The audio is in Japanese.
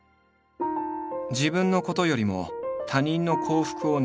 自分のことよりも他人の幸福を願う「利他」。